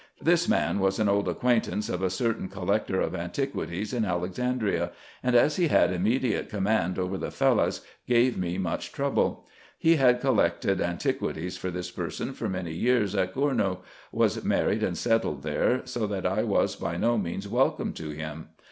This man was an old acquaintance of a certain col lector of antiquities in Alexandria ; and, as he had immediate com mand over the Fellahs, gave me much trouble. He had collected antiquities for this person for many years at Gournou, was married and settled there, so that I was by no means welcome to him.